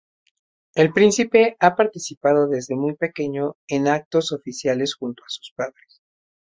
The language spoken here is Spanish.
El príncipe ha participado desde muy pequeño en actos oficiales junto a sus padres.